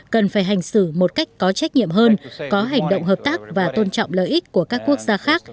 cần phải hành xử một cách có trách nhiệm hơn có hành động hợp tác và tôn trọng lợi ích của các quốc gia khác